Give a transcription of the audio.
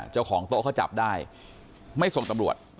เจ้าของโต๊ะเขาจับได้ไม่ส่งตำรวจ